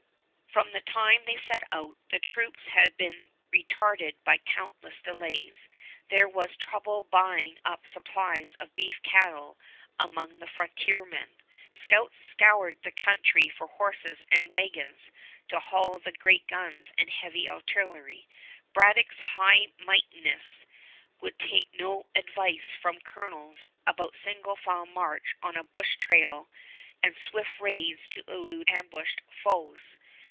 From the time they set out, the troops had been retarded by countless delays. There was trouble buying up supplies of beef cattle among the frontiersmen. Scouts scoured the country for horses and wagons to haul the great guns and heavy artillery. Braddock's high mightiness would take no advice from colonials about single file march on a bush trail and swift raids to elude ambushed foes.